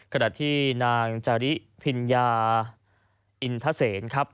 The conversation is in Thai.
ขณะที่นางจาริพิญญาอินทเซนครับ